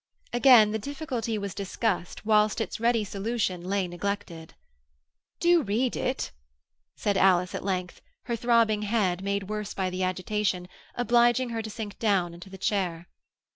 Again the difficulty was discussed whilst its ready solution lay neglected. "Do read it!" said Alice at length, her throbbing head, made worse by the agitation, obliging her to sink down into the chair.